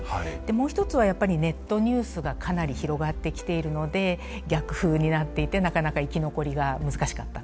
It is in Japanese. もう一つはやっぱりネットニュースがかなり広がってきているので逆風になっていてなかなか生き残りが難しかった。